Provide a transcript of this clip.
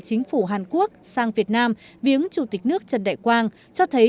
chính phủ hàn quốc sang việt nam viếng chủ tịch nước trần đại quang cho thấy